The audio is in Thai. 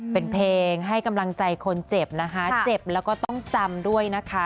เป็นเพลงให้กำลังใจคนเจ็บนะคะเจ็บแล้วก็ต้องจำด้วยนะคะ